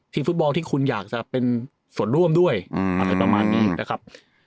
ฟุตบอลที่คุณอยากจะเป็นส่วนร่วมด้วยอะไรประมาณนี้นะครับ